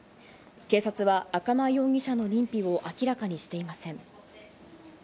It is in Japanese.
警察は赤間容疑者の認否を明らかにしていません。